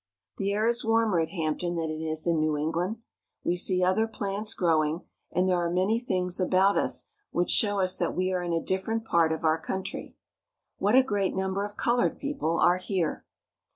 The air is warmer at Hampton than it is in New Eng land. We see other plants growing, and there are many things about us which show us that we are in a different part of our country. What a great number of colored people are here!